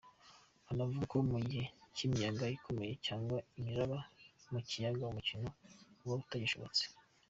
Anavuga ko mu gihe cy’imiyaga ikomeye cyangwa imiraba mu kiyaga umukino uba utagishobotse.